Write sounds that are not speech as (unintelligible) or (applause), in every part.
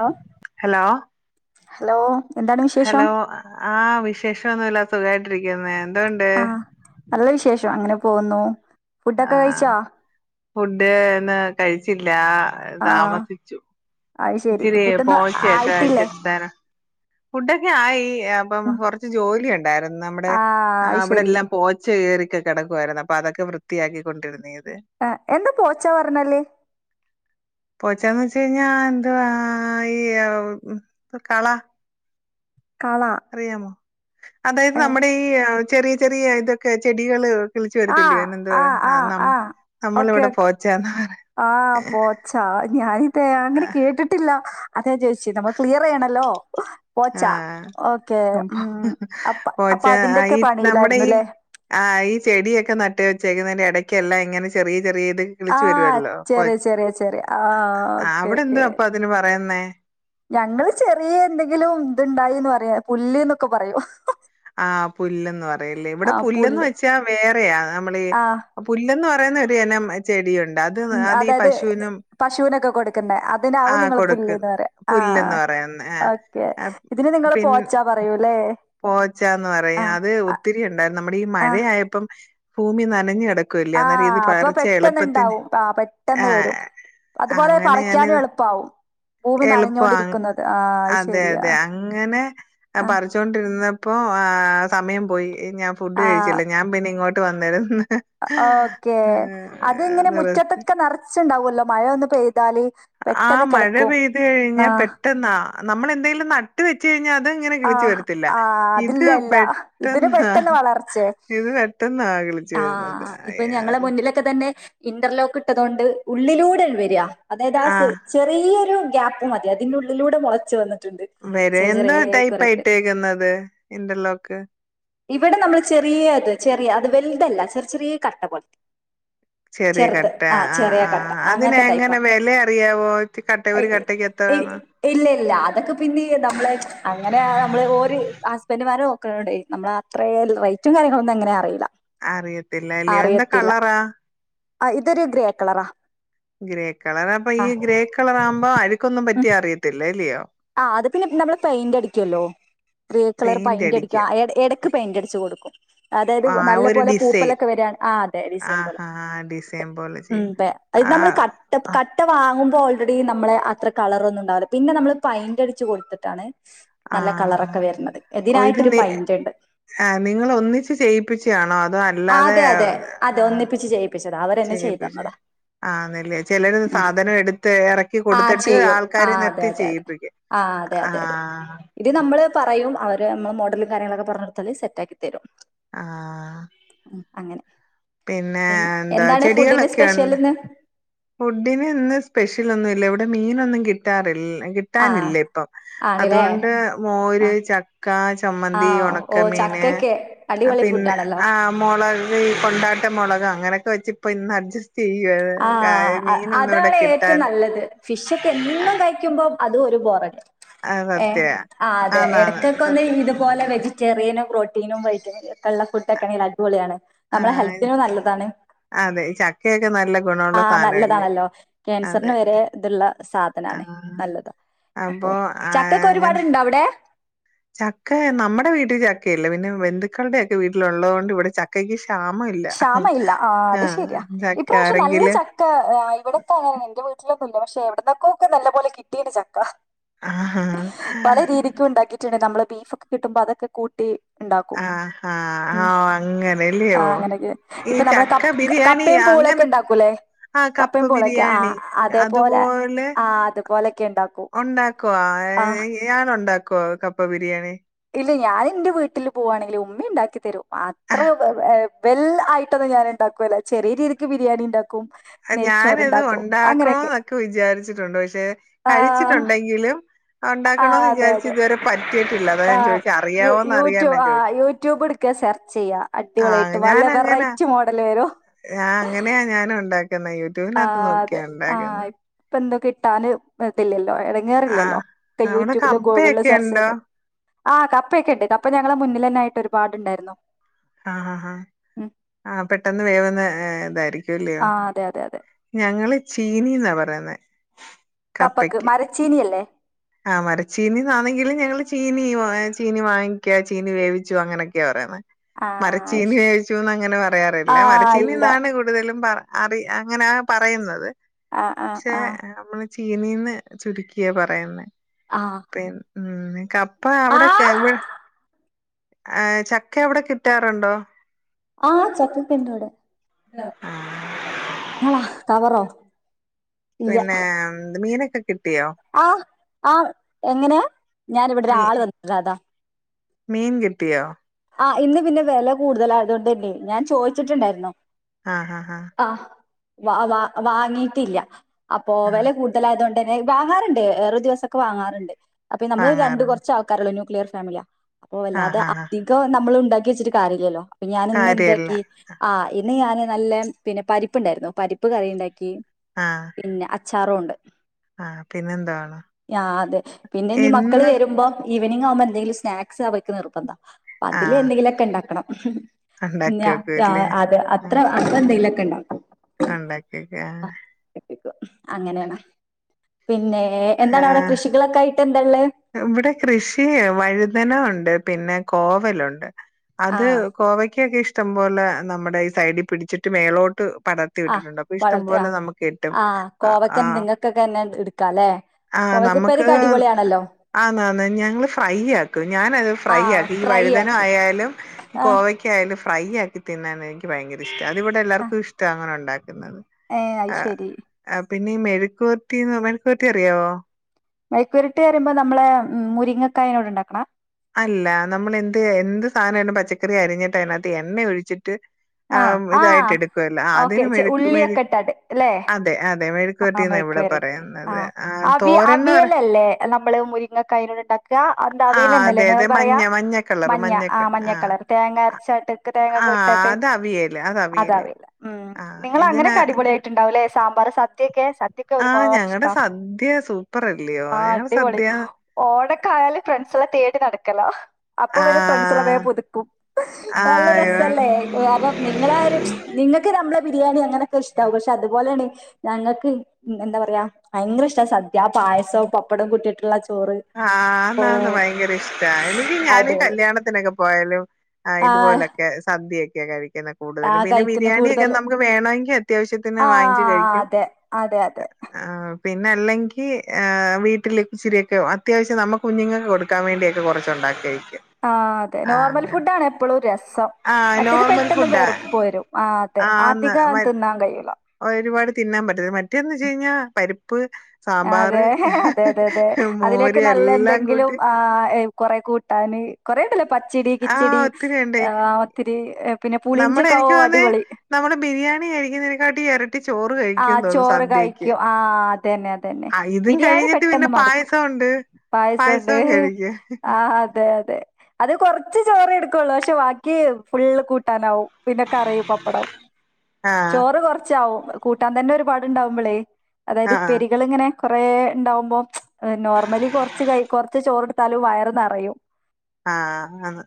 Hello hello hello എന്താണ് വിശേഷം hello ആ വിഷ വിശേഷംന്നുമല്ല സുഖായിട്ടിരിക്കുന്ന് എന്തോണ്ട് ആ നല്ല വിശേഷം റ്റു അങ്ങനെ പോകുന്നു ആ ഫുഡൊക്കെ കഴിച്ചാ ഫുഡ് എന്ന് കഴിച്ചില്ല എല്ലാ ആ താമസിച്ചു അത് ശരി ഇച്ചിരി ഫുഡൊന്നും പോച്ചയൊക്കെ ആയിട്ടില്ലേ ചെത്താണ ഫുഡൊക്കെ ആയി അപ്പം ഉം. കൊറച്ച് ജോലി ഉണ്ടായിരുന്നു നമ്മുടെ ആ അത് ശരി അവിടെല്ലാം പോച്ച കയറിക്ക് കിടക്കുയിരുന്നു അപ്പ് അതൊക്കെ വൃത്തിയാക്കിണ്ടിരുന്ന് ആ എന്താ പോച്ച പറഞ്ഞാല് ഞാൻ ആയിയ്യോ കള കള അറിയാമോ അതായത് ഏ, നമ്മടെ ഈ ചെറിയ ചെറിയ ഇതൊക്കെ ചെടികള് കിളിച്ചു ആ വരത്തില്ലയോ അതിനെന്തോപറയുന്നേ ആ നമ്മ നമ്മള് ഇവിടെ പോച്ചാന്നാ ആഹ് പോച്ച ഞാനി ത്തെ അങ്ങനെ കേട്ടിട്ടില്ല അതാ ചോയിച്ചേ നമ്മള് ക്ലിയർ ചെയ്യണല്ലോ പോച്ച ഓക്കെ ആഹ് ഉം അപ്പ പോച്ച അപ്പൊ അതിന്റെയൊക്കെ ഈ നമ്മടെ പണിയിലായിരുന്നു ഈ അല്ലേ ആ ഈ ചെടിയൊക്കെ നട്ട് വെച്ചേക്കുന്നതിന്റെ ഇടയ് ക്കല്ലേ ഇങ്ങനെ ചെറിയ ചെറിയ ഇത് കിളിച്ചു ആഹ് വരുവല്ലോ പോ ചെറിയ ചെറിയ ചെറിയ ആഹ് ഓക്കെ ഓക്കെ എന്നേ രണ്ടും ചെറിയ എന്തെങ്കിലും ഇതിണ്ടായിന്ന് പറയ്യാ പുല്ല്ന്നൊക്കെ പറയും ആഹ് പുല്ലെന്ന് പറയുല്ലേ ഇവിടെ ആ പുല്ലെന്ന് പുല്ല് വെച്ചാൽ വേറെയാ നമ്മള് ഈ ആ പുല്ലെന്ന് ന്ന് ഒരു ഇനം ചെടിയു അതായത് പശുവിനൊക്കെ കൊടുക്കുന്നെ അതിനാവും ആഹ് നിങ്ങള് പുല്ല്ന്ന് കൊടുക്കും പറയ്യ ആ പുല്ലെന്ന് പറയുന്നെ ആ ഓക്കെ ഇതിന് നിങ്ങള് പിൻ പോച്ച പറയ്യൂലെ പോച്ചാന്ന് പറയും അത് ഒത്തിരിയുണ്ട് നമ്മടെ ഈ ആ മഴയായപ്പം ഭൂമി നനഞ്ഞ് ടക്കുവല്ലേ ആ അന്നേരം ഏത് അപ്പൊ പകർച്ചെയും എളുപ്പത്തിൽ പെട്ടെന്ന്ണ്ടാവും ആ പെട്ടെന്ന് വരും ആഹ് അതുപോലെ അങ്ങനെ ഞാന് പറിക്കാനും എളുപ്പാവും ഭൂമി എളുപ്പാണ് നനഞ്ഞോണ്ടിരിക്കുന്നത് ആ അത് അതെ ശരിയാ അതെ അങ്ങനെ ആ പറിച്ചോണ്ടിരു ഓ ആഹ് സമയം പോയി ഞാൻ ഫുഡ്‌ കഴിച്ചില്ല ഞാൻ പിന്നിങ്ങോ ട്ട് വന്നിരുന്ന് ഓക്കെ അതിങ്ങനെ റെസ്റ്റ്. മുറ്റത്തൊക്കെ നിറച്ചുണ്ടാവുവല്ലോ മഴ വന്ന് പെയ്താല് ആഹ് പെട്ടെന്ന് മഴ കിളിർക്കും പെയ്ത് ആ കഴിഞ്ഞാൽ പെട്ടെന്നാ നമ്മള് എന്തെങ്കിലും നട്ട് വെച്ച് കഴിഞ്ഞാ അത് ഇങ്ങനെ കിളിച്ചു ആഹ് വരത്തില്ല ആഹ് ഇത് അതില്ലല്ല ഇതിന് പെട്ടെന്നാ പെട്ടെന്ന് വളർച്ചയാ ഇത് പെട്ടെന്നാ കിളിച്ചു വരുന്നത് ആഹ് ഇപ്പോ ഞങ്ങളെ മുന്നിലൊക്കെ തന്നെ ഇൻഡർ ലോക്ക് ഇട്ടതുകൊണ്ട് ഉള്ളിലൂടെ വര്യാ അതായത് ആ ചെറിയൊരു ഗ്യാപ്പു മതി അതിന്റെ ഉള്ളിലൂടെ മോളച്ചു വന്ന് വെരെ എന്ത് ടൈ ഇവിടെ നമ്മള് ചെറിയത്, ചെറിയ ഇതല്ല ചെറിയ ചെറിയ കട്ട പോലത്തെ ചെറിയ കട്ട ആ, ആ കട്ട അതിന അങ്ങനത്തെ ടൈപ്പാ എങ്ങനെ വില അറിയാവോ കട്ട ഒരുര കട്ടക്ക് എത്രാന്ന്. ഇല്ല ഇല്ല അതൊക്കെ പിന്നെ നമ്മള് അങ്ങനെ നമ്മള് ഓര് ഹസ്ബൻഡുമാരെ നോക്കണടേ, നമ്മള് അത്രേ റേറ്റും കാര്യങ്ങളൊന്നും അങ്ങനെ അറിയില്ല അറിയത്തില്ലലൃയോ എന്താ അറിയത്തില്ല കളറാ? ആ, ഇതൊരു ഗ്രേ കളറാ ഗ്രേ കളർ അപ്പൊ ആ ഈ ഗ്രേ കളർ ആവുമ്പോ അഴക്കൊന്നും പറ്റിയാ അറിയത്തില്ല ഇല്ലിയോ ആ അത് പിന്നെ നമ്മള് പെയിന്റ് അടിക്കുവല്ലോ, ഗ്രേ കളർ പെയിന്റ് പയിന്റ് അടിക്കോ, അടിക്കും ഇടക്ക് പെയിന്റ് അടിച്ചു കൊടുക്കും അതായത് ആ നല്ല ഒരു പോലെ ഡിസൈൻ പൂപ്പലൊക്കെ വരാണ്, ആ അതെ ഡിസൈൻ പോലെ ആഹാ ഡിസൈൻ പോലെ ഉ ചെയ്യും അത് ആ നമ്മള് കട്ട കട്ട വാങ്ങും ഇപ്പോ ഓൾറെഡി നമ്മളെ അത്ര കളർ ഒന്നും ഉണ്ടാവില്ല പിന്നെ നമ്മള് പൈന്റ് അടിച്ച് കൊടുത്തിട്ടാണ് ആ, നല്ല കളറൊക്കെ വരുന്നത് ഓ ഇത് ഇതിനായിട്ടൊരു നി, പെയിന്റ് ഉണ്ട് ആ നിങ്ങൾ ഒന്നിച്ച് ചെയ്യിപ്പിച്ചാണോ അതോ അല അതെ അതെ അതെ ഒന്നിപ്പിച്ച് ചെയ്യി ചെയ്യിപ്പിച്ച്, ആന്നല്ലേ ചിലര് സാധനം എടുത്ത് ഇറക്കി ആ കൊടുത്തിട്ട് ചെയ്യും ആ ആൾക്കാരെ അതെ നിർത്തി അതെ അതെ ചെയ്യിപ്പിക്കും. ആ അതെ ആ അതെ അതെ ഇത് നമ്മള് പറയും അവര് നമ്മള് മോഡലും കാര്യങ്ങളൊക്കെ പറഞ് കൊടുത്താല് സെറ്റാക്കി തരും. ആ ഉം അങ്ങനെ പിന്നെ പിൻ എന്താ എന്താണ് ഫുഡിന് ചെടികളൊക്കെ ഒണ്ട് സ്പെഷ്യലിന്ന് ഫുഡിന് ഇന്ന് സ്പെഷ്യൽ ഒന്നും ഇല്ല ഇവിടെ മീനൊന്നും കിട്ടാറിൽ ആഹ് കിട്ടാനില്ല ഇപ്പം, ആണ്ല്ലേ അതുകൊണ്ട് മോര് ആഹ് ചക്ക, ചമ്മന്തി, ആഹ് ഓ ഉണക്കമീന് ചക്കക്കെ അടിപൊളി പിന്നെ ഫുഡാണല്ലോ ആ മുളക് കൊണ്ടാട്ടം മുളക് അങ്ങനെയൊക്കെ വെച്ച് ഇന്ന അഡ്ജ ചെയ്യുവ (unintelligible) ആ, മീനൊന്നും ഇവിടെ അതാണ് ഏറ്റവും കിട്ടാൻ നല്ലത് ഫിഷൊക്കെ എന്നും കഴിക്കുമ്പോ അത് ഒരു ബോറടിക്കും അത് ഏ, സത്യവാ ആ അതെ ആന്നാന്ന് ഇടക്കൊക്കെ ഒന്ന് സത്യം ഇതുപോലെ വെജിറ്റേറിയനും പ്രോട്ടീനും, വൈറ്റമിനും ഒക്കെള്ള ഫുഡ് ഒക്കെ ആണെ അടിപൊളിയാണ്. ആ, നമ്മളെ ഹെൽത്തിനും അതെ ചക്കയൊക്കെ നല്ല ഗുണമുള്ള ആ സാധനല്ലേ നല്ലതാണല്ലോ അതെ ക്യാൻസറിന് വരെ ഇതുള്ള സാധനാണേ, ആഹ് നല്ലതാ അപ്പൊ ആഹ് ചക്കൊക്കെ അങ്ങനെ ഒരുപാടുണ്ടോ അവിടെ? ചക്ക നമ്മുടെ വീട്ടിൽ ചക്കയില്ല, പിന്നെ ബന്ധുക്കളുടെ ഒക്കെ വീട്ടിൽ ഉള്ളോണ്ട് ഇവിടെ ചക്ക ഇച്ച് ക്ഷാമവില്ല ആ അത് ശരിയാ, ഈ ചക്ക പ്രാവശ്യ നല്ല ആരെങ്കില് ചക്ക ഇവിടത്തെ (unintelligible) (unintelligible) പക്ഷെ എവിട നിന്നക്കൊക്കെ നല്ലപ പോലെ കിട്ടീട്ട് ചക്ക ആ, ആ മറ്റ നമ്മൾ ബീഫൊക്കെ കിട്ടുമോ അതൊക്കെ കൂട്ടി. ഉണ്ടാക്കും ആഹ് ആഹ ആഹ ഉം അങ്ങനെല്ലയോ? ആഹ് അങ്ങനെയൊക്കെ ഈ ഇപ്പൊ നമ്മള് ചക്ക കപ്പ ബിരിയാണി കപ്പയും പൂളൊക്കെ അങ്ങനെ ഇണ്ടാക്കൂല്ലേ ആഹ് കപ്പ കപ്പയും പൂളൊക്കെ ആഹ ബിരിയാണി അതേപോലെ അതുപോലെ ആഹ അതപോലെയൊക്കെ ഉണ്ടാക്കൂ ആഹ ഉണ്ടാക്കുവ കപ്പ ബിരിയാണി? ഇല്ല ഞാൻ എന്റെ വീട്ടിൽ പോവുകവാണെങ്കിൽ ഉമ്മയ ഉണ്ടാക്കി തരും. അത്ര വെൽ ആയിട്ടൊന്ന ഞൻ ഉണ്ടാക്കൂല്ല ചെറിയ രീതിക്ക് ബിരിയാണി ഉണ്ടാ ഞാനത് ഉണ്ടാക്കണോ അങ്ങനെയൊക്കെ എന്നൊക്കെ വിചാരിച്ചിട്ടുണ്ട് പക്ഷെ ആ കഴിച്ചിട്ടുണ്ടെങ്കിലും ആഹ് ഉണ്ടാക്കണം എന്ന് വിചാരിച്ച് ഇതുവരെ പ ആഹ് യു യൂട്യൂബ് ആഹ് ചോദിച്ചെ യൂട്യൂബ് ടുക്കാ സെർച്ച് ചെയ്യാ ആഹ് അടിപൊളിായിട്ട് വല്ല ഞാനങ്ങനാ വെറൈറ്റി മോഡല് വരോ ആഹ് അങ്ങനെയാ ഞാനും ഉണ്ടാക്കുന്നെ യൂട്യൂബിനകത്ത് നോക്കിയാ ഉണ്ടാക്ക താന് ത്തില്ലല് ഇടങ്ങോറില്ലല്ലോ അവിടെ യൂട്യൂബില് ഗൂഗിളിൽ കപ്പയൊക്കെ സെർച്ച് ഉണ്ടോ ചെയ്ത്. ആഹ് കപ്പയൊക്കെണ്ട് കപ്പ ഞങ്ങള മുന്നിൽന്നെയിട്ട് ഒരുപാടുണ്ടായിരുന്നു ആഹ് ആഹ് ഹാ ഉം. ആഹ് പെട്ടെന്ന് വേവുന്ന ഇതായിരി ആ (unintelligible) അതെ അതെ അതെ ഞങ്ങള് ചീനീ ന്നാ പറയുന്നേ കപ്പക്ക് മരച്ചീനിയല്ലേ ആഹ് മരച്ചീനി ആണെങ്കിൽ ഞങ്ങൾ ചീനി ചീനി വാങ്ങിക്ക ചീനി വേവിച്ചു അങ്ങനെയൊക്കെയാ പറയാന്ന ആ മരച്ചീനി ഇഷ്- കഴിച്ചുന്ന് അങ്ങനെ പറയാറില്ല ആ മരച്ചീനി ഇല്ല എന്നാണ് കൂടുതലും പറ അറി അങ്ങനെയാ പറയുന്നത് ആഹ് ആഹ് ആഹ് ചീനിന്ന് ചുരുക്കിയ പറയുന്നെ ആഹ് പിന്നെ ഉം കപ് പ്പാ അവ് ടെ കെവ്ൾ ആഹ് ചക്ക എവിടെ കിട്ടാറുണ്ടോ ആഹ് ചക്കി (unintelligible) ന ആഹ് ങ്ങളാ കവറോ പിന്നെ മീന ക ആഹ് ആഹ് എങ്ങനെയാ ഞാൻ മീ ഇവിടെരാള് വന്നതതാ മീൻ കിട്ടിയോ (unintelligible) ആ ആ ആ വ വാ വാങ്ങിയിട്ടില്ല അപ്പോ ആഹ് വില കൂടുതലായതുകൊണ്ട് ങ്ങനെ വാങ്ങാറുണ്ട് വേറെ ദിവസൊക്കെ വാങ്ങാറുണ്ട് അപ്പൊ നമ്മള് രണ്ട് വാങ്ങാറുണ്ട് കുറച്ച് ആൾക്കാരല്ലോനു ക്ലിയർ ഫാമിലിയാ അപ്പൊ വല്ലാതെ ആഹ് ആഹ് ആഹ് നമ്മള് ഉണ്ടാക്കി വച്ചിട്ട് കാര്യവില്ലല്ലോ ഞാനിന്ന് കാര്യല്ല എന്താക്കി ആ ഇ ഇന്ന് ഞാൻ നല്ല പിന്നെ പരിപ്പുണ്ടായിരുന്നു പരിപ്പ് കറി ഉണ്ടാക്കി ആഹ് പിന്നെ അ ച്ചാറും ഉണ്ട് ആഹ് പിന്നെന്താണ് ആ അതെ പിന്നെ ഇനി മക്കള് എന്ന് വരുമ്പം ഈവനിങ് ആവുമ്പം എ എന്തേലും സ്നാക്സ് അവർക്ക് നിർബന്ധാ അപ്പം അതില് ആഹ് എന്തെങ്കിലുമൊക്കെ ഉണ്ടാക്കണം (unintelligible) ഉണ്ടാക്കി ഞാ വെക്കൂല്ലേ അത് അത്ര അത്ര എന്തേലും ഒക്കെയുണ്ടാക്കും ഉണ്ടാക്കിവക്കും ആ ഇപ്പം അങ്ങനെയാണ് പിന്നെ എന്താണ് അവിടെ ആഹ് കൃഷികളൊക്കെ ആയിട്ട് ഉള്ളെ ഇവിടെ കൃഷി വഴുതന ഉണ്ട് പിന്നെ കോവലുണ്ട് അത് ആഹ് കോവയ്ക്ക ഒക്കെ ഇഷ്ടം പോലെ നമ്മുടെ ഈ സൈഡി പിടിച്ചിട്ട് മേളോട്ട് പടർത്തി ആ വിട്ടിട്ടുണ്ട്. അപ്പൊ ഇഷ്ടം പടർത്തി ആ പോലെ നമുക്ക് കിട്ടും. ആ അ കോവയ്ക്കന്നെ ആഹ് നിങ്ങൾക്കൊക്കെ തന്നെ എടു എടുക്കാം അല്ലേ കോവയ്ക്ക ഉപ്പേരി ഒക്കെ അടിപൊളിയാണല്ലോ ആന്ന് ആന്ന് ഞങ്ങള് ഫ്രൈ ആക്കും ഞാനത് ഫ്രൈ ആഹ് ആക്കും ഈ ഫ്രൈ വഴുതന ആക്കി ആയാലും ഈ ആഹ് കോവയ്ക്ക ആയാലും ഫ്രൈ ആക്കി തിന്നാനാ എനിക്ക് ഭയങ്കര ഇഷ്ടം അതിവിടെ എല്ലാർക്കും ഇഷ്ടാ അങ്ങനെ ഉണ്ടാക്കി ഏ അയ് ശരി പിന്നെ ഈ മെഴുക്ക് വർട്ടിന്ന് പറയു മെഴുക്ക് വരട്ടി അറിയാവോ മെഴുക്കു വരട്ടിന്ന് പറയുമ്പോ നമ്മള് മുരിങ്ങക്കായോട് ഉണ്ടാക്കണ അല്ല നമ്മളെന്ത് എന്ത് സാന പച്ചക്കറി എരിഞ്ഞിട്ട് അയിനാത് എണ്ണ ഒഴി ആഹ് അതിന് മെഴുക്ക് ഉള്ളി മെഴു ഇട്ടാണ്ട് അതെ അതെ മെഴുക്കുവരട്ടിന്നാ മെയ്ക്ക് ഇവിടെ വരട്ടി പറയുന്നത് ആഹ് തോരൻന്ന് പറ ങ് ങ് എന്താ ആഹ് അവിയലന്നല്ലെ അതെ അതെ നിങ്ങള് പറയാ മഞ്ഞ മഞ്ഞ കളറ് മഞ്ഞ ആ മഞ്ഞക്ക ആഹ് മഞ്ഞക്കളർ തേങ്ങ അരച്ചിട്ട് (unintelligible) തേങ്ങക്കെ ആഹ് ഇട്ടിട്ട്.. അത് അവിയല് അത് അവിയല് അതാവില്ല മ് ആഹ് നിങ്ങള് അങ്ങനെ ഇതിന് കടിപൊളി ആയിട്ട്ണ്ടാവല്ലേ സാമ്പാർ സ.. (inaudible) ആ ഞങ്ങളടെ സദ്യ സൂപ്പർ അല്ലയോ ഞങ്ങളടെ സദ്യ കായാല ഫ്രണ്ട്സ് എല്ലാം തേടി നടക്കല.. അപ്പൊ വര് ഫ്രണ്ട്സല്ല വെ ആഹ് പുതപ്പും നല്ല രസ അല്ലേ ആഹ് (unintelligible) നിങ്ങളാരും നിങ്ങൾക്ക് നമ്മള് ബിരിയാണി അങ്ങനൊക്കെ ഇഷ്ടാകും പക്ഷെ അതുപോലെയാണ് ഞങ്ങൾക്ക് എന്താ പറയാ ഭയങ്കര ഇഷ്ട സദ്യ പായസവും പപ്പടവും കൂട്ടിയിട്ടുള്ള ചോറ് ആ ഓ ആന്നാ ന്ന് ഭയങ്കര ഇഷ്ടാ എനിക്ക് ഞാന് അടിപൊളി കല്യാണത്തിനൊക്കെ പോയാലും ആ ഇതുപോലൊക്കെ സദ്യയൊ ക്ക കഴി.. ആ കൂടുതലും പിന്നെ കഴിക്കുന്നു ബിരിയാണിക്കെ (unintelligible) ബിരിയാണി കൂടുതലും നമുക്ക് വേണമെങ്കിൽ അത്യാവശ്യത്തിന് ആ വാങ്ങിച്ചു കഴിക്കും അതെ അതെ അതെ ആ പിന്നെ അല്ലെങ്കി വീട്ടില് ഇച്ചിരിയൊക്കെ അ അത്യാവശ്യം നമു കുഞ്ഞുങ്ങൾക്ക് കൊടുക്കാൻ വേണ്ടിയൊക്കെ കുറച്ചുണ്ടാക്കിയ ആ അതെ നോർമൽ ഫുഡ് ആണ് എപ്പോഴും രസ് സം ആഹ് മറ്റേത് നോർമൽ പെട്ടെന്ന് ഫുഡാ വെറുപ്പ് വരും ആ ആതെ ആന്ന് അധിക മ തിന്നാൻ കഴൂല. ഒരുപാട് തിന്നാൻ പറ്റത്തില മറ്റേതന്ന് വെച്ച് കഴിഞ്ഞാൽ പരിപ് അതെ അതെ അതെ അതെ മോര് അതിലേക്ക് നല്ല എല്ലാം എന്തെങ്കിലും കൂട്ടി ആ കൊറെ കൂട്ടാന് (unintelligible) ആഹ് കിച്ചടി ഒത്തിരി ഉണ്ട് ആഹ് ഒത്തിരി ഏ, പിന്നെ നമ്മള് പുളിഞ്ചിയൊക്കെ ഓ എനിക്ക് തോന്നി അടിപൊളി നമ്മള് ബിരിയാണി ആയിരിക്കുന്നതിനെക്കാട്ടി ഇരട്ടി ചോ ആ ചോറ് കഴിക്കും ആ അതന്നെ അത തന്നെ ആഹ് ഇതും ബിരിയാണി കഴിഞ്ഞിട്ട് പിന്നെ പെട്ടെന്ന് മടുക്കും പായസം ഉണ്ട് പായസോണ്ട് പായസവും കഴിക്കും ആ അതെ അതെ അത് കൊറച്ച് ചോറ് എടുക്കുവുള്ളൂ പക്ഷെ ബാക്കി ഫുള്ള് കൂട്ടാനാവും. പിന്നെ കറിയും പപ്പടവും ആഹ് ചോറ് കൊറച്ചാവും കൂട്ടാൻ തന്നെ ഒരുപാട്ണ്ടാവുമ്പോളേ.. അതായത് ആഹ് പെരികൾ ഇങ്ങനെ.. കൊറേ ഉണ്ടാവുമ്പോ അ നോർമലി കുറച്ച് കൈ കുറച്ച് ചോറെടു.. ത്താലും വയറ്ന്നറയും. ആഹ് ആന്ന്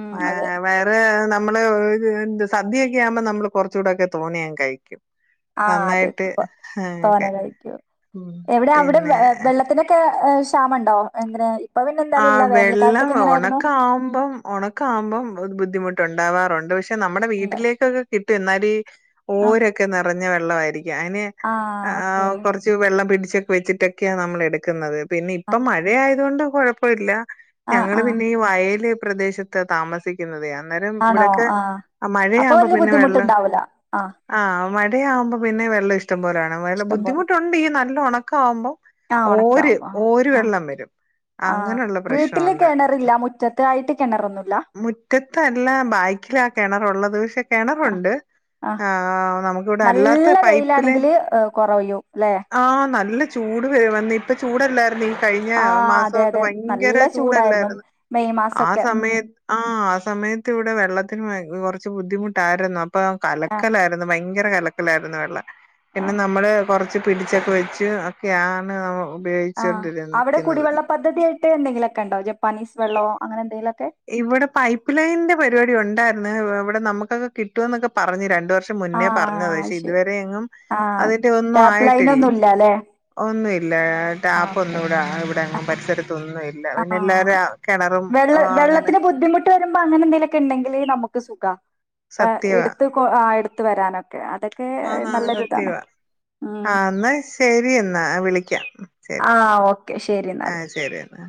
ഉം വയ അതെ വയറ് അമ്മള് സദ്യൊക്കെയാകുമ്പോ നമ്മള് കുറച്ചൂടൊക്കെ തോന്നിയങ്ങ് കഴിക്കും ആഹ് നന്നായിട്ട് അതെയതെ ഒക്കെ തോനെകഴിക്കും ഉം എവടാ അവടെ പിന്നെ വെള്ളത്തിനൊക്കെ ഷാമൊണ്ടോ ആഹ് വെള്ളം ഒണക്കാകുമ്പം ഒണക്കാകുമ്പോ ബുദ്ധിമുട്ട് ഒണ്ടാവാറുണ്ട് പക്ഷ് നമ്മടെ ഉണ്ട് വീട്ടിലേക്കൊക്കെ കിട്ടും എന്നാലും ഈ ആ ഓരൊക്കെ നിറ ഞ്ഞ വെള്ളവായിരിക്കും ഞാന് ആ ഓക്കെ കുറച്ച് വെള്ളം പിടി ച്ച് വെച്ചിട്ടൊക്കെയാ നമ്മള് എടുക്കുന്നത് ആ പിന്നിപ്പം മഴയായത് കൊണ്ട് കുഴ പ്പമില്ല ആ ഞങ്ങള് ആ പിന്നെ ഈ വയല് പ്രെദേശത്താ താമസിക്കുന്നതെയാ അന്നേരം ആണോ ഇവിടൊക്കെ ആ അപ്പൊ മഴയാമ്പം വലിയ പിന്നെ വെള്ളം ബുദ്ധിമുട്ടുണ്ടാവൂല ആ ആഹ് മഴയാമ്പം പിന്നെ വെള്ളം ഇഷ്ടംപോലെയാണ് ഇഷ്ടം പോലെ ബുദ്ധിമുട്ടുണ്ട് ഈ നല്ലോണം (unintelligible) ആ ഓര് ഉണക്കാവുമ്പോ ആ ഒരുവെള്ളം വരും ആ അങ്ങനുള്ള പ്രശ്നം വീട്ടില് ഉണ്ട് കിണറില്ല മുറ്റത്ത് ആയിട്ട് കിണറൊന്നുമില്ല മുറ്റത്തല്ല ബായ്ക്കിലാ കിണറുള്ളത് പക്ഷേ ആ കിണറുണ്ട് ആ നമുക്കിവിടെ അല്ലാത്ത നല്ല പൈപ്പിലെ വെയിലാണെങ്കിൽ കുറയും ല്ലെ ആഹ് നല്ല ചൂട് വന്നിട്ടു ചൂടല്ലാരുന്നോ ഈ കഴിഞ്ഞ ആ മാസോ അതെ അതെ ഭയങ്കര നല്ല ചൂടായിരുന്നു ചൂടല്ലാരുന്നോ മെയ് ആ മാസൊക്കെ ഉം സമയത് ആഹ് സമയത്ത് ഇവടെ വെള്ളത്തിന്‌ ഭയ കൊറച്ചു ബുദ്ധിമുട്ടാരുന്നു അ പ്പൊ ആ കലക്കലാരുന്നു ഭയൻ ങ്കര കലക്കലാരുന്നു വെള്ളം ആ പിന്നെ നമ്മള് കുറ ച്ച് പിടിച്ചൊക്കെ വെച്ച് ഒക്കെയാണ് മ് ആഹ് അവടെ കുടിവെള്ള പദ്ധതിയൊ ക്കെ എന്തെങ്കിലുവൊക്കെ ഉണ്ടാഞ്ഞോ പണീഷ് വെള്ളവോ അങ്ങനെന്തേലും ഇവടെ പൈപ്പ്ലൈനിന്റെ പരിപാടി ഒണ്ടാ ന്നു. ഇവടെ നമ്മുക്കൊക്കെ കിട്ടുവെന്നൊക്കെ പറഞ്ഞു രണ്ട് വർ ആ മുന്നേ പറഞ്ഞതാ പക്ഷേ ശരി ഇതുവരെ എങ്ങും ആ അതിന്റ ടാപ്പ് ലൈൻ ഒന്നുമായിട്ടില്ല ഒന്നും ഇല്ല അല്ലെ ഒന്നുമി ല്ല ആ ടാപ്പ് ഓക്കെ ഒന്നും ഇവിടെ ഇവിടെും ഓക്കെ പരിസരത്തൊന്നും ഇല്ല ആ പിന്നെ എല്ലാവരും കിണറും ബുദ്ദിമുട്ട് വരുമ്പോ അങ്ങനെ ഉണ്ടെങ്കിൽ നമുക്ക് സുഖം എടുത്ത എടു എത്ത വരാനക്കെ ആഹ നന്ന് സത്യവാ ഉം ആ എന്നാ ശരി എന്നാ വിളിക്കാം ആ ശരി ഓക്കേ ശരി എന്നാൽ ആ ശരി എന്നാ